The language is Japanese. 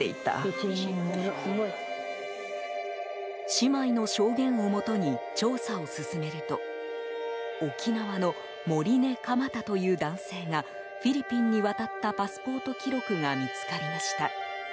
姉妹の証言をもとに調査を進めると沖縄の盛根蒲太という男性がフィリピンに渡ったパスポート記録が見つかりました。